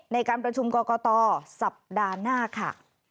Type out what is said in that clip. ในการประชุมกรกตสัปดาห์หน้าค่ะ